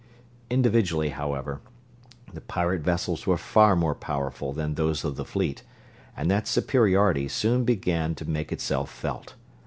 Individually, however, the pirate vessels were far more powerful than those of the fleet, and that superiority soon began to make itself felt.